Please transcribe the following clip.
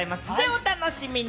お楽しみに。